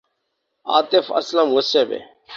آطف اسلم غصے میں